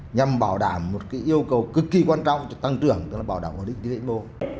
nhằm bảo đảm một yêu cầu cực kỳ quan trọng cho tăng trưởng tức là bảo đảm hợp lý kinh tế mô